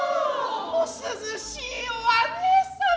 お涼しいお姉様。